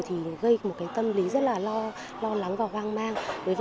thì gây một cái tâm lý rất là lo lắng và hoang mang